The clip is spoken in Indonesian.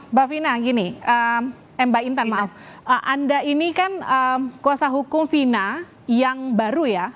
mbak vina gini mbak intan maaf anda ini kan kuasa hukum vina yang baru ya